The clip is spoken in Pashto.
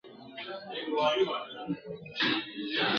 تکه سپینه لکه بته جګه غاړه ..